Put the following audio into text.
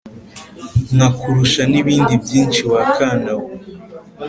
Nkakurusha n'ibindi byinshi wa kana we